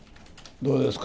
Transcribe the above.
どうですか？